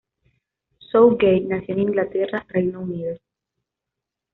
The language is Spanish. Southgate nació en Inglaterra, Reino Unido.